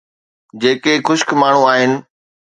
جيڪي خشڪ ماڻهو آهن.